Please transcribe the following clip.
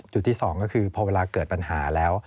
จุดที่๒ก็คือพอเวลาเกิดปัญหาแล้ว